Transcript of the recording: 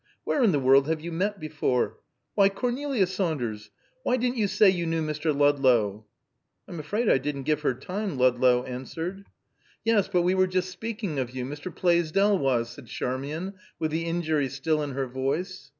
"Where in the world have you met before? Why, Cornelia Saunders, why didn't you say you knew Mr. Ludlow?" "I'm afraid I didn't give her time," Ludlow answered. "Yes, but we were just speaking of you Mr. Plaisdell was!" said Charmian, with the injury still in her voice.